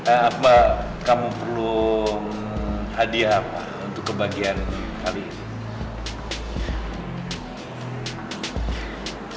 apa kamu perlu hadiah apa untuk kebahagiaan kali ini